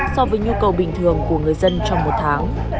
so với nhu cầu bình thường của người dân trong một tháng